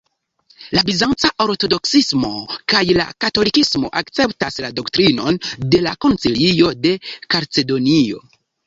La bizanca ortodoksismo kaj la katolikismo akceptas la doktrinon de la Koncilio de Kalcedonio.